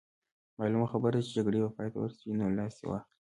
معلومه خبره ده چې جګړه به پای ته ورسي، نو لاس دې واخلي.